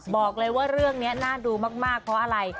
บอกเลยว่าเรื่องนี้น่าดูมากเพราะอะไร